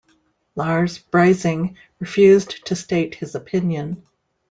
Lars Brising refused to state his opinion.